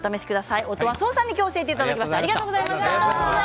今日は音羽創さんに教えていただきました。